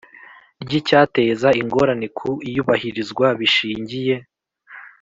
ry icyateza ingorane ku iyubahirizwa bishingiye